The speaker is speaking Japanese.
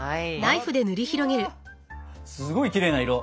ふわっすごいきれいな色！